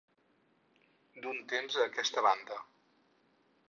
D'un temps a aquesta banda.